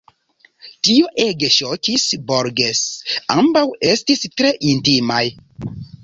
Tio ege ŝokis Borges: ambaŭ estis tre intimaj.